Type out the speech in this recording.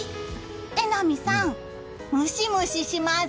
榎並さん、ムシムシします。